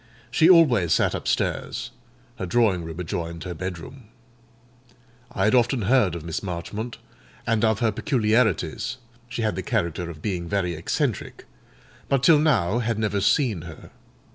She always sat upstairs: her drawing room adjoined her bed room. I had often heard of Miss Marchmont, and of her peculiarities (she had the character of being very eccentric), but till now had never seen her.